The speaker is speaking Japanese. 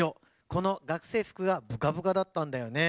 この学生服がぶかぶかだったんだよね。